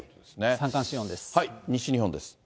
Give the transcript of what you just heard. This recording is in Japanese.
西日本です。